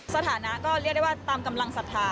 สถานะก็เรียกได้ว่าตามกำลังศรัทธา